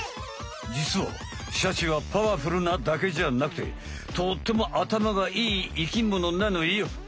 じつはシャチはパワフルなだけじゃなくてとってもあたまがいい生きものなのよ。